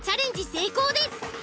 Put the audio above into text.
成功です。